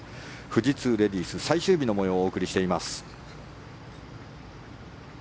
富士通レディース最終日の模様をお送りしています。